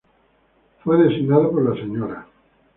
Fue designado por la Sra.